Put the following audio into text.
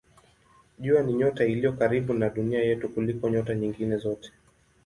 Jua ni nyota iliyo karibu na Dunia yetu kuliko nyota nyingine zote.